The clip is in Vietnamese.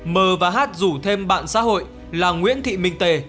m và h rủ thêm bạn xã hội là nguyễn thị minh tề